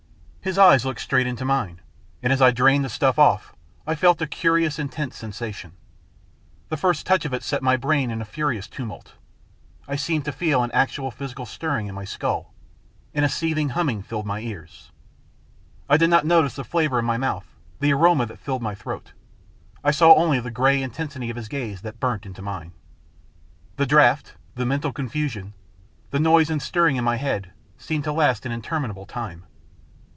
His eyes looked straight into mine, and as I drained the stuff off, I felt a curiously intense sensation. The first touch of it set my brain in a furious tumult ; I seemed to feel an actual physical stirring in my skull, and a seething humming filled my ears. I did not notice the flavour in my mouth, the aroma that filled my throat; I saw only the grey intensity of his gaze that burnt into mine. The draught, the mental con fusion, the noise and stirring in my head, seemed to last an interminable time.